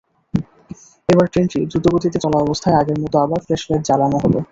এবার ট্রেনটি দ্রুতগতিতে চলা অবস্থায় আগের মতো আবার ফ্ল্যাশলাইট জ্বালানো হলো।